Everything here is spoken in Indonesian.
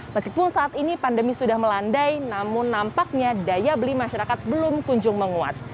meskipun saat ini pandemi sudah melandai namun nampaknya daya beli masyarakat belum kunjung menguat